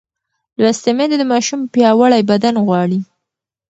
لوستې میندې د ماشوم پیاوړی بدن غواړي.